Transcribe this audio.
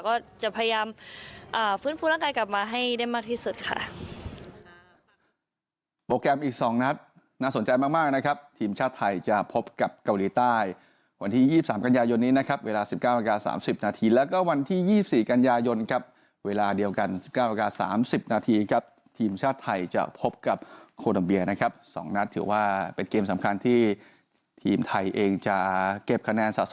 ก็จะพยายามฟื้นฟูร่างกายกลับมาให้ได้มากที่สุดค่ะ